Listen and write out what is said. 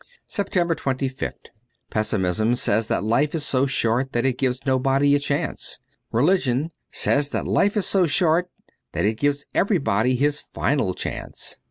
297 SEPTEMBER 25th PESSIMISM says that life is so short that it gives nobody a chance ; religion says that life is so short that it gives everybody his final chance.